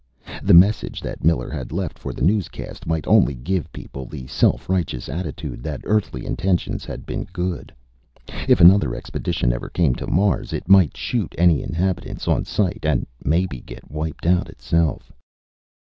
The message that Miller had left for newscast might only give people the self righteous attitude that Earthly intentions had been good. If another expedition ever came to Mars, it might shoot any inhabitants on sight, and maybe get wiped out itself.